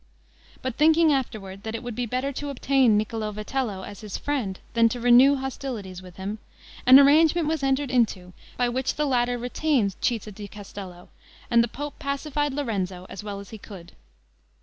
But thinking afterward, that it would be better to obtain Niccolo Vitello as his friend than to renew hostilities with him, an arrangement was entered into by which the latter retained Citta di Castello, and the pope pacified Lorenzo as well as he could.